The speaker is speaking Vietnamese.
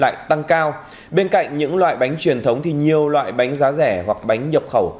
càng cao bên cạnh những loại bánh truyền thống thì nhiều loại bánh giá rẻ hoặc bánh nhập khẩu